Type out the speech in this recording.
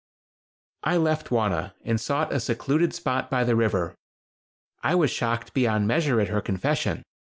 I left Wauna and sought a secluded spot by the river. I was shocked beyond measure at her confession.